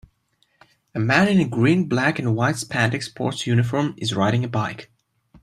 A man in a green black and white spandex sports uniform is riding a bike